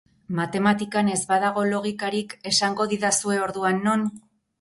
Matematikan ez badago logikarik, esango didazue orduan non?